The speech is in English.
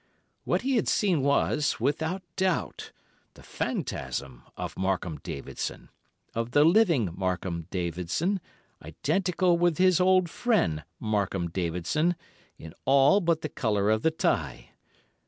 What he had seen was, without doubt, the phantasm of Markham Davidson—of the living Markham Davidson, identical with his old friend, Markham Davidson, in all but the colour of the tie.